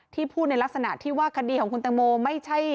ที่พูดในลักษณะที่ว่าคดีของคุณตังโมนิดนาคาร์